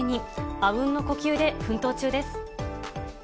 あうんの呼吸で奮闘中です。